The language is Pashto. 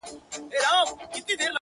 خداى نه چي زه خواست كوم نو دغـــه وي”